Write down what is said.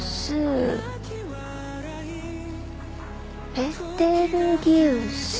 ペテルギウス。